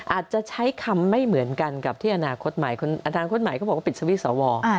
อาจจะใช้คำไม่เหมือนกันกับที่อนาคตใหม่อนาคตใหม่เขาบอกว่าปิดสวิตช์สว